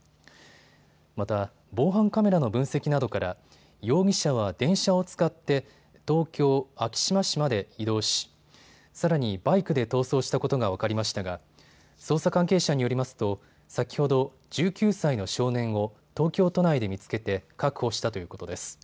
また、防犯カメラの分析などから容疑者は電車を使って東京昭島市まで移動しさらにバイクで逃走したことが分かりましたが捜査関係者によりますと先ほど１９歳の少年を東京都内で見つけて確保したということです。